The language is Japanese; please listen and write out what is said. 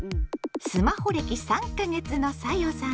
スマホ歴３か月のさよさ